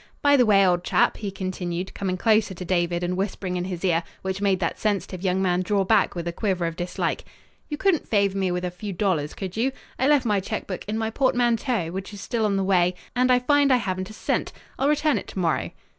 By the way, old chap," he continued, coming closer to David and whispering in his ear, which made that sensitive young man draw back with a quiver of dislike, "you couldn't favor me with a few dollars, could you? I left my check book in my portmanteau, which is still on the way and I find I haven't a cent. I'll return it to morrow."